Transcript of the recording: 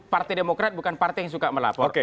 partai demokrat bukan partai yang suka melapor